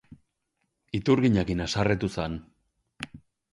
Iturginarekin haserretu zen.